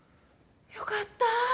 よかった。